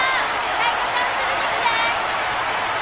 タイ子ちゃん連れてくで！